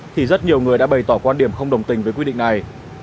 thì rất nhiều người đã bày tỏ quan điểm không đồng tình với quy định này